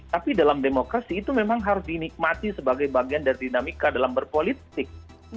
tapi dalam demokrasi itu memang harus dinikmati sebagai bagian dari dinamika dalam berpolitik